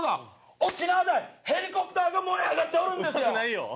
沖縄ではヘリコプターが燃え上がっておるんですよ。